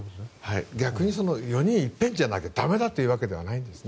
逆に４人一遍じゃなきゃ駄目だというわけではないんですね。